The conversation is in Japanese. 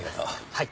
はい。